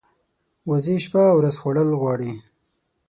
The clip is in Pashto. وزې شپه او ورځ خوړل غواړي